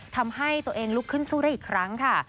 ทำให้ตัวเองลุกขึ้นสู้ได้อีกครั้งค่ะ